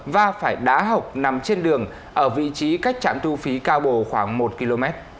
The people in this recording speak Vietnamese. và phải đá học nằm trên đường ở vị trí cách trạm thu phí cao bồ khoảng một km